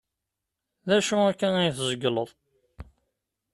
D acu akka ay tzegleḍ?